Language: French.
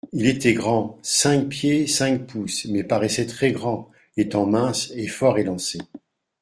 Il était grand (cinq pieds cinq pouces) mais paraissait très-grand, étant mince et fort élancé.